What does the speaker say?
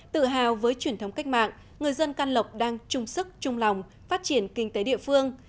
tự hào với truyền thống cách mạng người dân can lộc đang chung sức chung lòng phát triển kinh tế địa phương